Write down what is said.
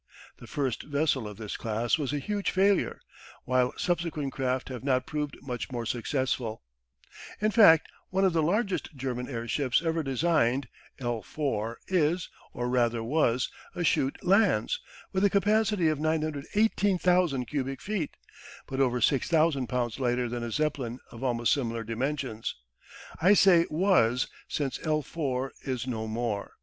The first vessel of this class was a huge failure, while subsequent craft have not proved much more successful. In fact, one of the largest German airships ever designed, L4, is, or rather was, a Schutte Lanz, with a capacity of 918,000 cubic feet, but over 6,000 pounds lighter than a Zeppelin of almost similar dimensions. I say "was" since L4 is no more.